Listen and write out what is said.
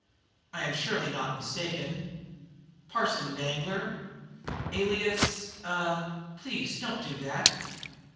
I am surely not mistaken. Parson Danglar, alias ah! Please don't do that!"